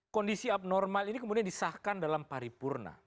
kondisi abnormal ini kemudian disahkan dalam paripurna